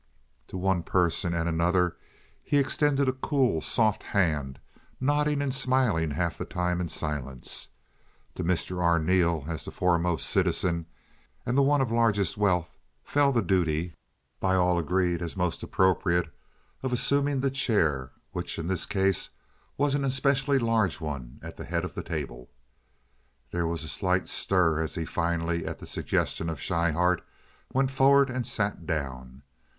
To one person and another he extended a cool, soft hand, nodding and smiling half the time in silence. To Mr. Arneel as the foremost citizen and the one of largest wealth fell the duty (by all agreed as most appropriate) of assuming the chair—which in this case was an especially large one at the head of the table. There was a slight stir as he finally, at the suggestion of Schryhart, went forward and sat down.